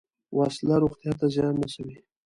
وسله روغتیا ته زیان رسوي